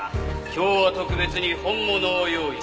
今日は特別に本物を用意した。